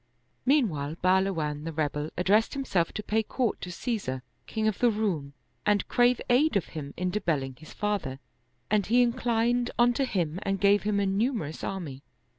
Meanwhile, Bahluwan the rebel addressed himself to pay court to Caesar, king of the Roum and crave aid of him in debelling his father, and he inclined unto him and gave him a numerous army.